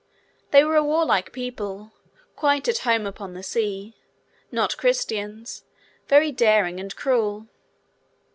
They were a warlike people, quite at home upon the sea; not Christians; very daring and cruel.